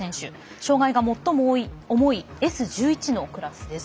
障がいが最も重いＳ１１のクラスです。